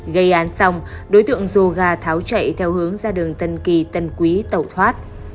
gây án xong đối tượng dồ gà tháo chạy theo hướng ra đường tân kỳ tân quý tẩu thoát